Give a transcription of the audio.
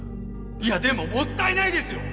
いやでももったいないですよ！